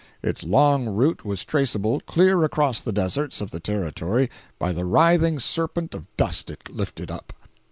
Its long route was traceable clear across the deserts of the Territory by the writhing serpent of dust it lifted up.